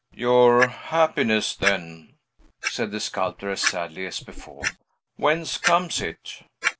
"Your happiness, then?" said the sculptor, as sadly as before. "Whence comes it?"